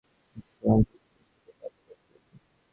পথে কুড়িয়ে পাওয়া ককটেল বিস্ফোরণে ঝলসে গেছে বাঁ হাতের কবজি পর্যন্ত।